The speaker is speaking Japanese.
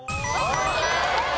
正解！